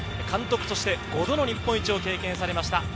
監督として５度の日本一を経験されました、